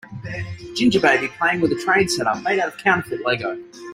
Ginger baby playing with a train setup made out of counterfeit lego.